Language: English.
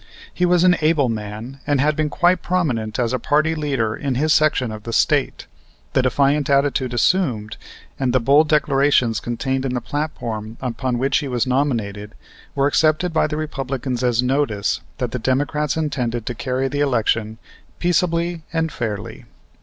He was an able man, and had been quite prominent as a party leader in his section of the State. The defiant attitude assumed, and the bold declarations contained in the platform upon which he was nominated were accepted by the Republicans as notice that the Democrats intended to carry the election "peaceably and fairly."